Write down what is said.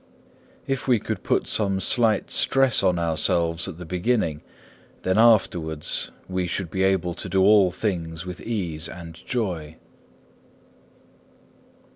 If we would put some slight stress on ourselves at the beginning, then afterwards we should be able to do all things with ease and joy.